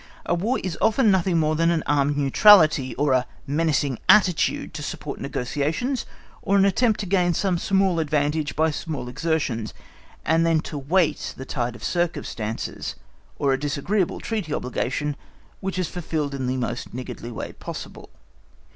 A War is often nothing more than an armed neutrality, or a menacing attitude to support negotiations or an attempt to gain some small advantage by small exertions, and then to wait the tide of circumstances, or a disagreeable treaty obligation, which is fulfilled in the most niggardly way possible.